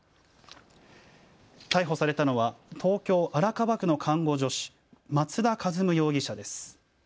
逮捕されたのは東京荒川区の看護助手、松田一夢容疑者です。